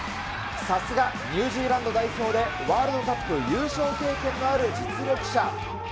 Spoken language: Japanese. さすが、ニュージーランド代表で、ワールドカップ優勝経験のある実力者。